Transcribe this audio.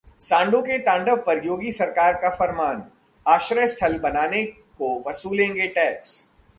सांडों के तांडव पर योगी सरकार का फरमान, आश्रय स्थल बनाने को वसूलेंगे टैक्स